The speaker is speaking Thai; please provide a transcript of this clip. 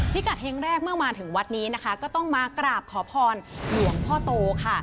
พิกัดเฮงแรกเมื่อมาถึงวัดนี้นะคะก็ต้องมากราบขอพรหลวงพ่อโตค่ะ